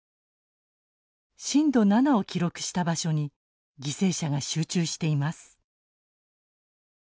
震度７を記録した場所に犠牲者が集中しています。